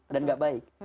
dan gak baik